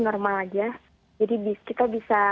normal saja jadi kita